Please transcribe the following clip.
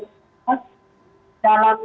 berikan penelitian yang terlalu